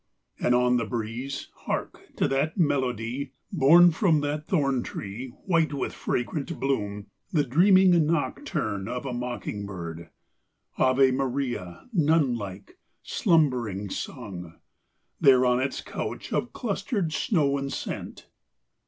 And on the breeze, hark! to that melody, Borne from that thorn tree, white with fragrant bloom, The dreaming nocturne of a mocking bird, Ave Maria, nun like, slumbering sung, There on its couch of clustered snow and scent.